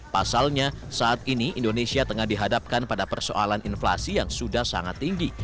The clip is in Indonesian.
pasalnya saat ini indonesia tengah dihadapkan pada persoalan inflasi yang sudah sangat tinggi